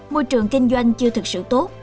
môi trường kinh doanh chưa thực sự tốt